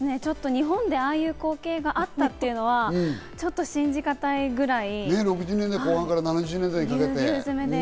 日本でああいう光景があったっていうのはちょっと信じがたいぐらい。